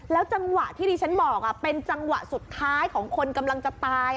จังหวะที่ดิฉันบอกเป็นจังหวะสุดท้ายของคนกำลังจะตาย